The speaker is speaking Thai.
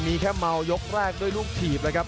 มีแค่เมายกแรกด้วยรูปถีบรู้ไหมครับ